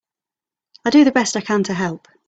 I do the best I can to help.